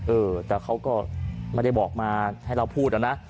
เออแต่เขาก็ไม่ได้บอกมาให้เราพูดนะ